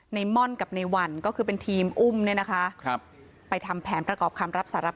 ในม่อนกับในวันก็คือเป็นทีม